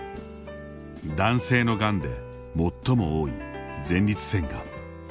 男性のがんで最も多い前立腺がん。